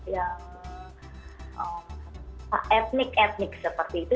yang etnik etnik seperti itu